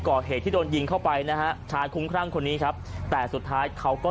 ก่อเหตุที่โดนยิงเข้าไปนะฮะชายคุ้มครั่งคนนี้ครับแต่สุดท้ายเขาก็